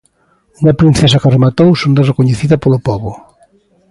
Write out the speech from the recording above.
Unha princesa que rematou sendo recoñecida polo pobo.